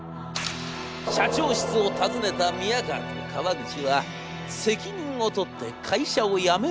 社長室を訪ねた宮河と川口は責任を取って会社を辞める覚悟でした。